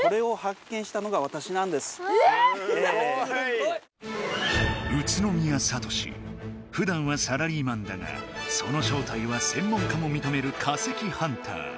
すごい！宇都宮聡ふだんはサラリーマンだがそのしょうたいはせん門家もみとめる化石ハンター。